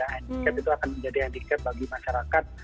handcap itu akan menjadi handicap bagi masyarakat